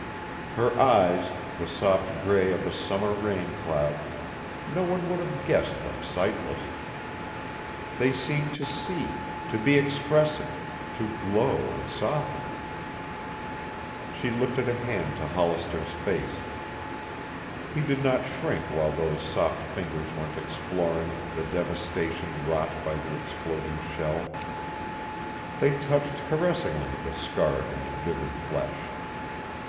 Her eyes, the soft gray of a summer rain cloud no one would have guessed them sightless. They seemed to see, to be expressive, to glow and soften. She lifted a hand to Hollister's face. He did not shrink while those soft fingers went exploring the devastation wrought by the exploding shell. They touched caressingly the scarred and vivid flesh.